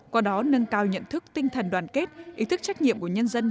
qua đó nâng cao nhận thức tinh thần đoàn kết ý thức trách nhiệm của nhân dân